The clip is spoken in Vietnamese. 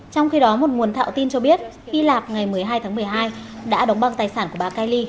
trong khi đó một nguồn thạo tin cho biết hy lạp ngày một mươi hai tháng một mươi hai đã đóng băng tài sản của bà kaily